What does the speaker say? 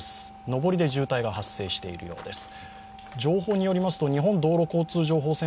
上りで渋滞が発生しているようです。